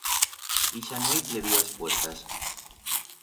Ixa nueit plevió a espuertas.